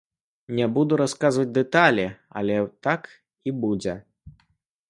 Не буду расказваць дэталі, але так і будзе.